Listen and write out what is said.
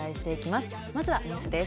まずはニュースです。